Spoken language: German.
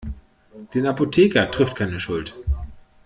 Den Apotheker trifft keine Schuld.